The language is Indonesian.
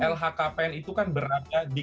lhkpn itu kan berada di